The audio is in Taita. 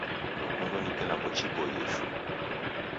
Lukundo ni kilambo chiboie shuu.